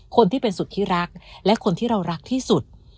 คนที่เป็นสุดที่รักและคนที่เรารักที่สุด